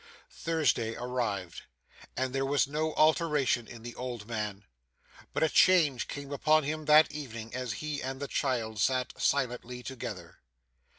Thursday arrived, and there was no alteration in the old man. But a change came upon him that evening as he and the child sat silently together.